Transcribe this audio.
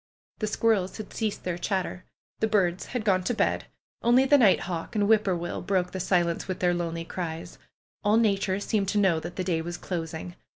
The squirrels had ceased their chatter. The birds had gone to bed; only the night hawk and whip poor will broke the si lence with their lonely cries. All nature seemed to know that the day was closing.